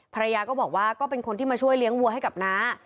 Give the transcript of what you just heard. ภรรยาก็บอกว่าก็เป็นคนที่มาช่วยเลี้ยงวัวให้กับน้า